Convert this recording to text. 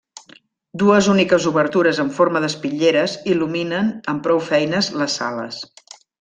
Dues úniques obertures en forma d'espitlleres il·luminen amb prou feines les sales.